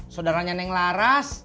saudaranya neng laras